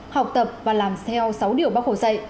học tập và làm theo sáu điều bác hồ dạy